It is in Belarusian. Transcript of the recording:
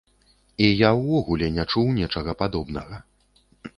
І я ўвогуле не чуў нечага падобнага.